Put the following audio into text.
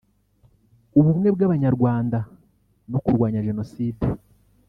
Ubumwe bw’Abanyarwanda no kurwanya Jenoside